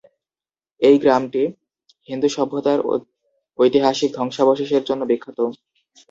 এই গ্রামটি হিন্দু সভ্যতার ঐতিহাসিক ধ্বংসাবশেষের জন্য বিখ্যাত।